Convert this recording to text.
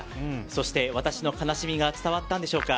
そして私の悲しみが伝わったんでしょうか。